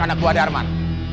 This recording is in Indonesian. anak mbak darman